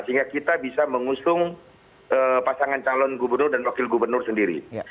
sehingga kita bisa mengusung pasangan calon gubernur dan wakil gubernur sendiri